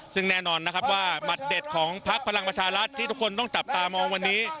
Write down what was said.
ซึ่งแน่นอนนะครับว่าหมัดเด็ดของพักพลังประชารัฐที่ทุกคนต้องจับตามองวันนี้